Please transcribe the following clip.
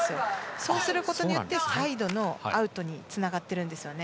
そうすることによってサイドのアウトにつながっているんですよね。